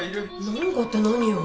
なんかって何よ